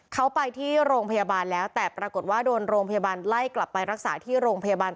เขาไปที่โรงพยาบาลแล้วแต่ปรากฏว่าโดนโรงพยาบาลไล่กลับไปรักษาที่โรงพยาบาล